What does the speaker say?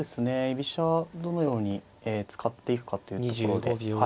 居飛車どのように使っていくかっていうところで。